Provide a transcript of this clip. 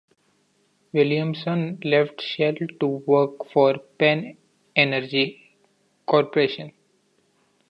Williamson left Shell to work for Pan Energy Corporation.